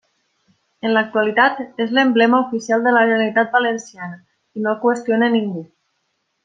En l'actualitat és l'emblema oficial de la Generalitat Valenciana i no el qüestiona ningú.